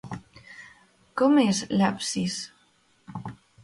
Com és l'absis?